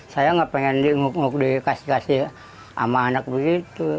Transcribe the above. saya nggak pengen diunguk ngok dikasih kasih sama anak begitu